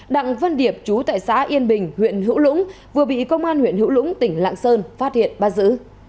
đặng văn điệp chú tại xã yên bình huyện hữu lũng vừa bị công an huyện hữu lũng tỉnh lạng sơn phát hiện bắt giữ